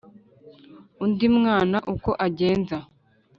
undi mwana uko agenza!